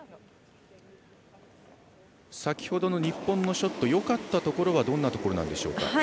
先ほどの日本のショットよかったところはどんなところでしょうか。